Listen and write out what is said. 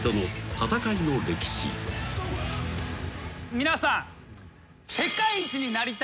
皆さん。